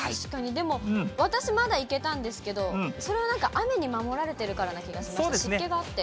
でも私、まだいけたんですけど、それはなんか雨に守られてる気がします、湿気があって。